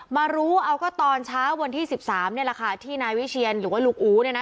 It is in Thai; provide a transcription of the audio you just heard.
มารู้เอาก็ตอนเช้าวันที่๑๓นี่แหละค่ะที่นายวิเชียนหรือว่าลุงอู๋เนี่ยนะ